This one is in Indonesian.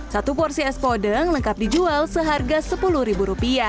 satu porsi es podeng lengkap dijual seharga rp sepuluh